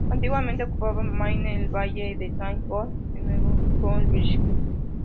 Antiguamente ocupaban Maine y el valle de Saint John, en Nuevo Brunswick.